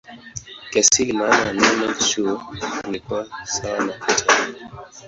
Kiasili maana ya neno "chuo" ilikuwa sawa na "kitabu".